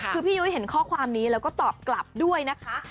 คือพี่ยุ้ยเห็นข้อความนี้แล้วก็ตอบกลับด้วยนะคะ